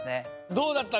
どうだった？